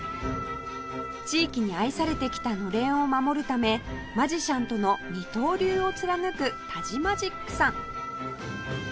地域に愛されてきたのれんを守るためマジシャンとの二刀流を貫くタジマジックさん